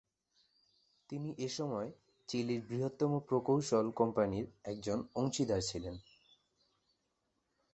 তিনি এসময় চিলির বৃহত্তম প্রকৌশল কোম্পানির একজন অংশীদার ছিলেন।